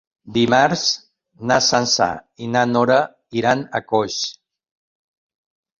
Dimarts na Sança i na Nora iran a Coix.